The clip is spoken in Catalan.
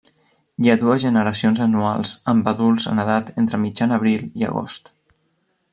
Hi ha dues generacions anuals amb adults en edat entre mitjan abril i agost.